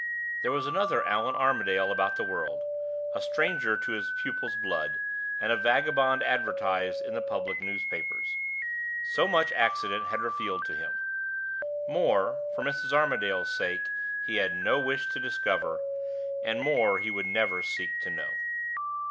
There was another Allan Armadale about the world, a stranger to his pupil's blood, and a vagabond advertised in the public newspapers. So much accident had revealed to him. More, for Mrs. Armadale's sake, he had no wish to discover and more he would never seek to know.